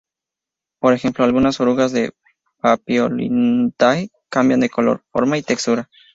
Por ejemplo, algunas orugas de Papilionidae cambian de color, forma y textura.